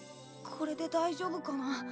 これで大丈夫かな？